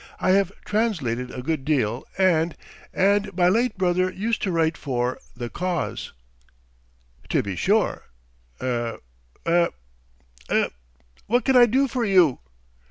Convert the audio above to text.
... I have translated a good deal and ... and my late brother used to write for The Cause." "To be sure ... er er er What can I do for you?"